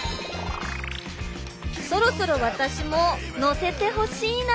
そろそろ私も乗せてほしいな。